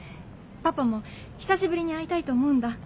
パパも久しぶりに会いたいと思うんだ。